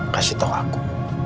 kasih tau aku